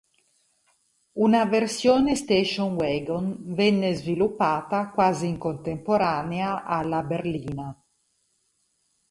Una versione station wagon venne sviluppata quasi in contemporanea alla berlina.